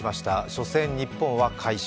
初戦、日本は快勝。